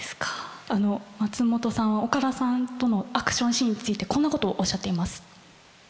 あの松本さんは岡田さんとのアクションシーンについてこんなことをおっしゃっています。